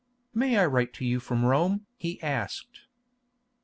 "May I write to you from Rome?" he asked.